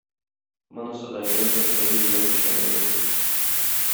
Монысы да янә бер хәйрия эшчәнлеге.